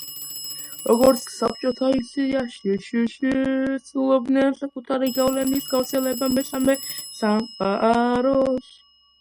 როგორც საბჭოთა ისე აშშ ცდილობდნენ საკუთარი გავლენის გავრცელება მესამე სამყაროს